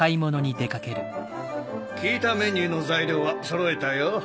聞いたメニューの材料はそろえたよ。